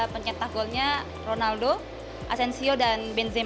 pencetak golnya ronaldo asensio dan benzema